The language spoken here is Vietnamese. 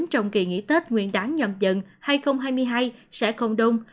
trong kỳ nghỉ tết nguyên đáng nhầm dần hai nghìn hai mươi hai sẽ không đông